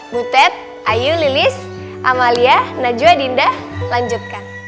butet ayu lilis amalia najwa dinda lanjutkan